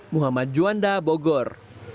muhammad juanda bogor